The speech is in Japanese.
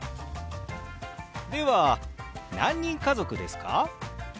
では何人家族ですか？